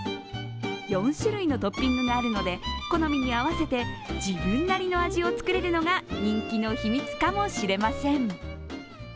４種類のトッピングがあるので好みに合わせて自分なりの味を作れるのが人気の秘密かもしれません。